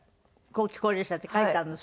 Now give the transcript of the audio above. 「後期高齢者」って書いてあるの？